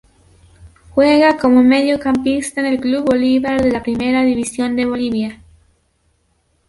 Juega como mediocampista en el Club Bolívar de la Primera División de Bolivia.